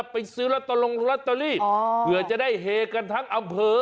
ไปซื้อละตรงละตรีเผื่อจะได้เหกันทั้งอำเภอ